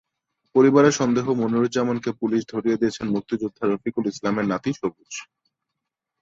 পরিবারের সন্দেহ, মনিরুজ্জামানকে পুলিশে ধরিয়ে দিয়েছেন মুক্তিযোদ্ধা রফিকুল ইসলামের নাতি সবুজ।